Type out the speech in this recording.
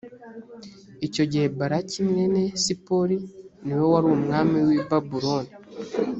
icyo gihe balaki mwene sipori ni we wari umwami w’i babuloni